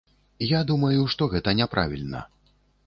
Я думаю, што гэта няправільна.